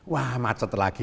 wah macet lagi